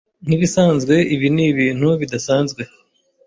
nkibisanzwe ibi ni ibintu bidasanzwe